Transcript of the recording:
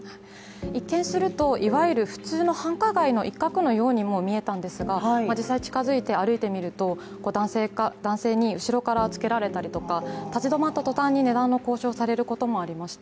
一見すると、いわゆる普通の繁華街の一角のようにも見えたんですが、実際、近づいて歩いてみると男性に後ろからつけられたりとか、立ち止まったとたんに値段の交渉をされることもありました。